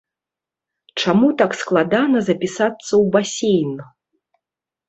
Чаму так складана запісацца ў басейн?